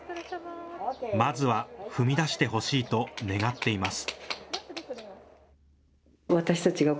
まずは踏み出してほしいと願っています。